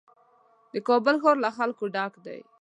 د کابل ښار له خلکو ډک دی.